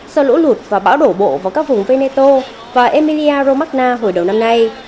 do lũ lụt và bão đổ bộ vào các vùng veneto và emilia romagna hồi đầu năm nay